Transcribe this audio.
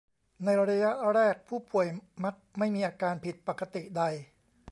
ในระยะแรกผู้ป่วยมักไม่มีอาการผิดปกติใด